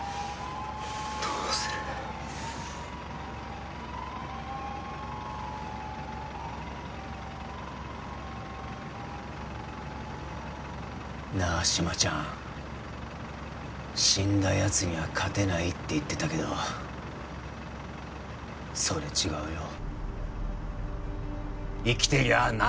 どうするなあ志摩ちゃん死んだやつには勝てないって言ってたけどそれ違うよ生きていりゃあ